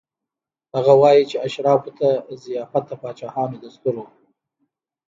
هغه وايي چې اشرافو ته ضیافت د پاچایانو دستور و.